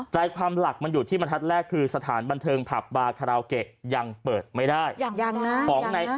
ใจความหลักมันอยู่ที่บรรทัศน์แรกคือสถานบันเทิงผับบาคาราโอเกะยังเปิดไม่ได้